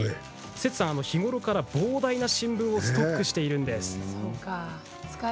セツさんは日頃から膨大な新聞をストックしています。